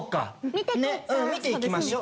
見ていきしょう。